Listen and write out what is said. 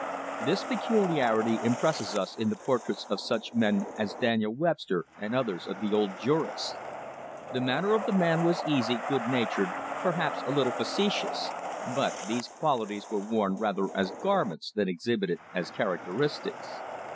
This peculiarity impresses us in the portraits of such men as Daniel Webster and others of the old jurists. The manner of the man was easy, good natured, perhaps a little facetious, but these qualities were worn rather as garments than exhibited as characteristics.